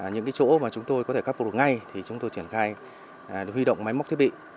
những chỗ mà chúng tôi có thể khắc phục được ngay thì chúng tôi triển khai huy động máy móc thiết bị